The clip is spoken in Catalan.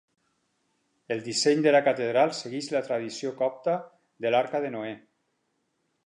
El disseny de la catedral segueix la tradició copta de l'arca de Noè.